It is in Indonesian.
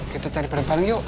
kita cari bareng bareng yuk